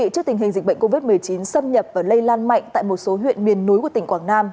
trước tình hình dịch bệnh covid một mươi chín xâm nhập và lây lan mạnh tại một số huyện miền núi của tỉnh quảng nam